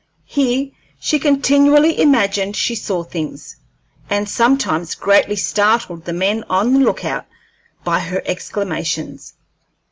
Here she continually imagined she saw things, and sometimes greatly startled the men on lookout by her exclamations.